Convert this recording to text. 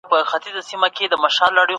هغه سړی په بازار کي د چا په لټه کي و.